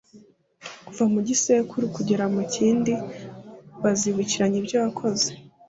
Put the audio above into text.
kuva mu gisekuru kugera mu kindi bazibukiranye ibyo wakoze